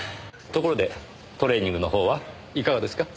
ところでトレーニングの方はいかがですか？